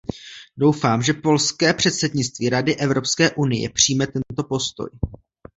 Doufám, že polské předsednictví Rady Evropské unie přijme tento postoj.